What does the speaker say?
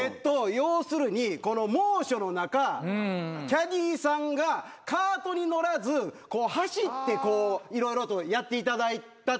要するに猛暑の中キャディーさんがカートに乗らず走って色々とやっていただいたっていうのが。